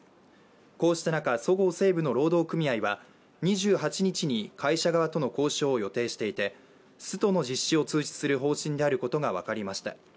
こうした中、そごう・西武の労働組合は２８日に会社側との交渉を予定していてストの実施を通知する方針であることが分かりました。